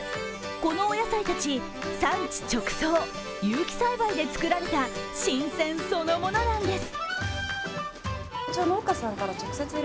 このお野菜たち、産地直送、有機栽培で作られた新鮮そのものなんです。